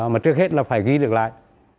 mà trước hết là phải ghi được lại